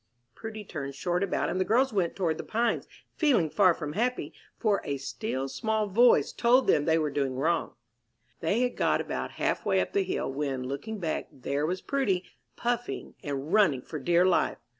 Prudy turned short about, and the girls went toward the Pines, feeling far from happy, for a "still, small voice" told them they were doing wrong. They had got about half way up the hill, when, looking back, there was Prudy, puffing and running for dear life.